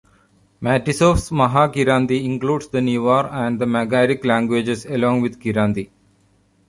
Matisoff's Mahakiranti includes the Newar and the Magaric languages along with Kiranti.